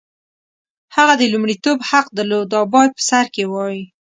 هغه د لومړیتوب حق درلود او باید په سر کې وای.